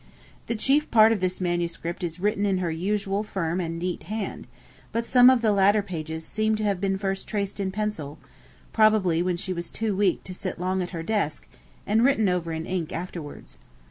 The chief part of this manuscript is written in her usual firm and neat hand, but some of the latter pages seem to have been first traced in pencil, probably when she was too weak to sit long at her desk, and written over in ink afterwards.